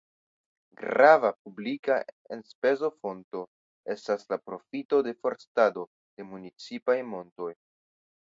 Grava publika enspezofonto estas la profito de forstado de municipaj montoj.